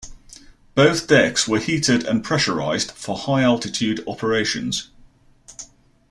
Both decks were heated and pressurized for high altitude operations.